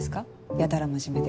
やたら真面目で。